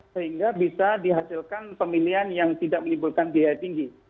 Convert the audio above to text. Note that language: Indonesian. sehingga bisa dihasilkan pemilihan yang tidak menimbulkan biaya tinggi